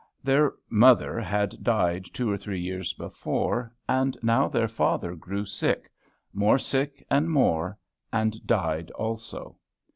Their mother had died two or three years before, and now their father grew sick, more sick and more, and died also.